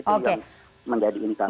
itu yang menjadi intang